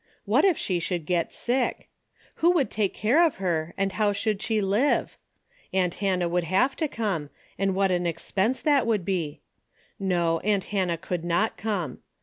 What if she should get sick ? Who would take care of her and how should she live ? Aunt Hannah would have to come, and what an expense that would be! — Ho, aunt Hannah could not come.